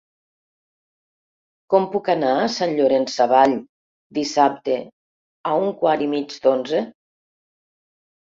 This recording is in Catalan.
Com puc anar a Sant Llorenç Savall dissabte a un quart i mig d'onze?